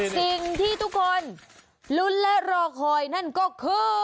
สิ่งที่ทุกคนลุ้นและรอคอยนั่นก็คือ